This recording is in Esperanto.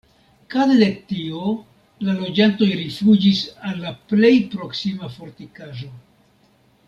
Kaze de tio la loĝantoj rifuĝis al la plej proksima fortikaĵo.